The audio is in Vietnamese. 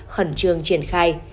khẩn trương triển khai